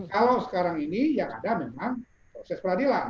kalau sekarang ini yang ada memang proses peradilan